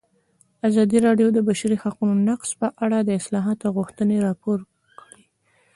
ازادي راډیو د د بشري حقونو نقض په اړه د اصلاحاتو غوښتنې راپور کړې.